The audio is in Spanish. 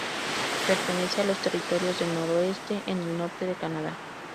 Pertenece a los Territorios del Noroeste, en el norte de Canadá.